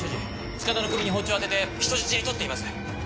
塚田の首に包丁を当てて人質に取っています。